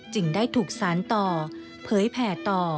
จึงได้ถูกสารต่อเผยแผ่ต่อ